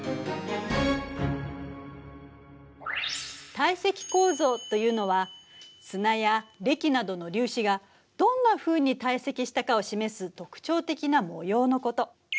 堆積構造というのは砂やれきなどの粒子がどんなふうに堆積したかを示す特徴的な模様のこと。